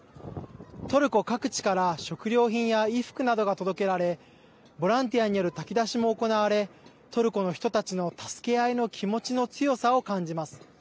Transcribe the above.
トルコ各地から食料品や衣服などが届けられボランティアによる炊き出しも行われトルコの人たちの助け合いの気持ちの強さを感じます。